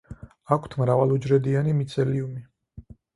აქვთ მრავალუჯრედიანი მიცელიუმი.